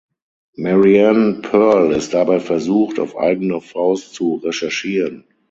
Mariane Pearl ist dabei versucht, auf eigene Faust zu recherchieren.